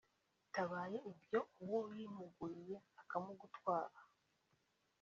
bitaba ibyo uwuyimuguriye akamugutwara